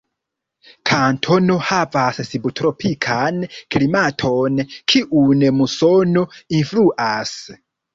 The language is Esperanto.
Kantono havas subtropikan klimaton, kiun musono influas.